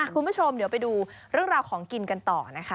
คุณผู้ชมเดี๋ยวไปดูเรื่องราวของกินกันต่อนะคะ